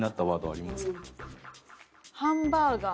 「ハンバーガー」。